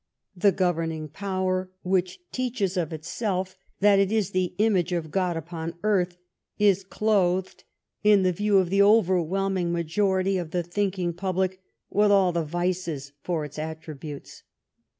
The governing power, which teaches of itself that it is the image of God upon earth, is clothed, in the view of the over whelming majority of the thinking public, with all the vices for its attributes.